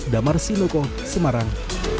damar sinoko semarang